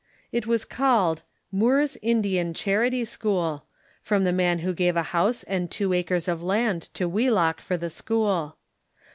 It was called "Moor's Indian Charity School," from the man Avho gave a house and two acres of land to Wheelock for the school.